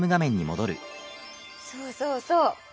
そうそうそう。